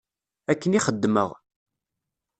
Akken i xeddmeɣ.